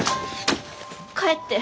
帰って。